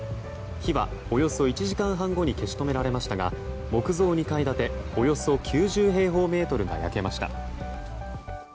火はおよそ１時間半後に消し止められましたが木造２階建て、およそ９０平方メートルが焼けました。